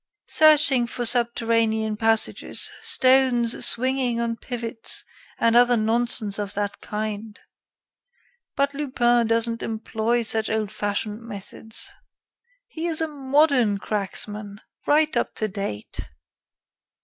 Searching for subterranean passages, stones swinging on pivots, and other nonsense of that kind. But Lupin doesn't employ such old fashioned methods. He is a modern cracksman, right up to date."